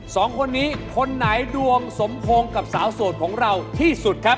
สองคนนี้คนไหนดวงสมพงษ์กับสาวโสดของเราที่สุดครับ